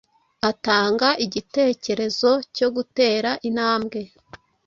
atanga igitekerezo cyo gutera intambwe